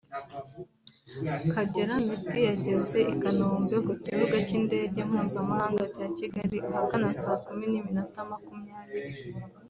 Kagere Meddie yageze i Kanombe ku kibuga cy’indege mpuzamahanga cya Kigali ahagana saa kumi n’iminota makumyabiri